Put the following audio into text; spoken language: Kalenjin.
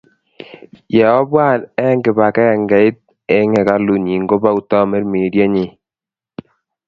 Ye obwa eng kibangengeit eng hekalunyi, kobou Tamirmirienyi